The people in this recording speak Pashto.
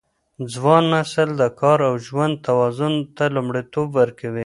ځوان نسل د کار او ژوند توازن ته لومړیتوب ورکوي.